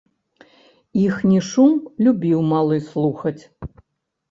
Іхні шум любіў малы слухаць.